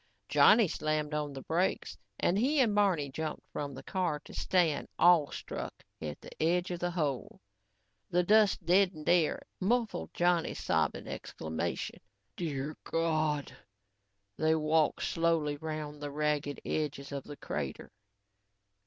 Johnny slammed on the brakes and he and Barney jumped from the car to stand, awe struck, at the edge of the hole. The dust deadened air muffled Johnny's sobbing exclamation: "Dear God!" They walked slowly around the ragged edges of the crater.